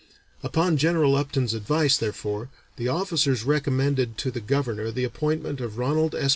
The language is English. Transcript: Upon General Upton's advice, therefore, the officers recommended to the Governor the appointment of Ranald S.